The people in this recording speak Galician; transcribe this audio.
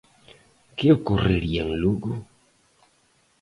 ¿Que ocorrería en Lugo?